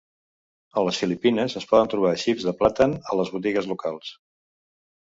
A les Filipines, es poden trobar xips de plàtan a les botigues locals.